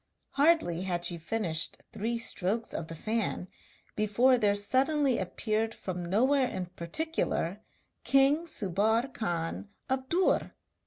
Hardly had she finished three strokes of the fan before there suddenly appeared from nowhere in particular, king Subbar Khan of Dûr!